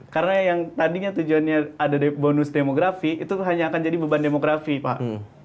karena yang tadinya tujuannya ada bonus demografi itu hanya akan jadi beban demografi pak